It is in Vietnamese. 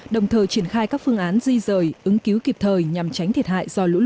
đồng thời triển khai các phương án di rời ứng cứu kịp thời nhằm tránh thiệt hại do lũ lụt